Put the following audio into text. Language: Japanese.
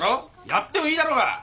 やってもいいだろが。